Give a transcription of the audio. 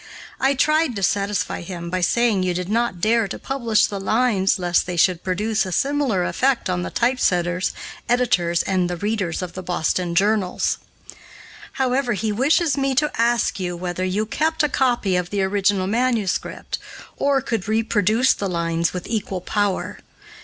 I tried to satisfy him by saying you did not dare to publish the lines lest they should produce a similar effect on the typesetters, editors, and the readers of the Boston journals. "However, he wishes me to ask you whether you kept a copy of the original manuscript, or could reproduce the lines with equal power.